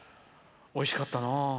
おいしかったな。